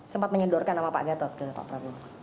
sempat menyedorkan nama pak gatot ke pak prabowo